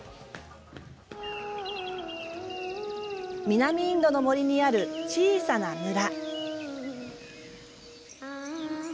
南インドの森にある小さな村。